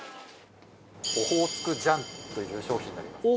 オホーツク醤という商品になります。